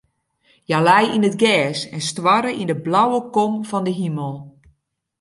Hja lei yn it gjers en stoarre yn de blauwe kom fan de himel.